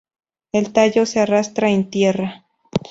El tallo se arrastra en tierra.